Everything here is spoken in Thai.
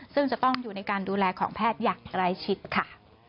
ซึ่งจะต้องอยู่ในการดูแลของแพทยักษ์ไล่ชิดค่ะ